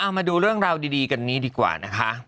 มาดูเรื่องราวดีกันนี้ดีกว่านะคะ